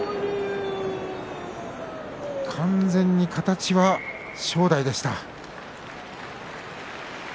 完全に形は正代でした。